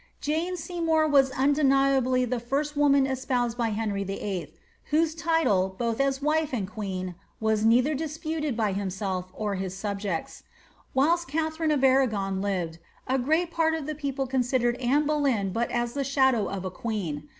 June Seymour wus undeniably the lirst woman espoused by Henry VIII., uhosc title, both as wife and queen, was neithrr disputed by him scll' or tiis subjects. Whilst Katharine of Arragon lived, a great part of tlic people considered Anne Boleyn but as the shadow of a queen.